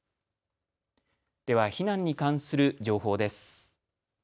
では避難に関する情報です。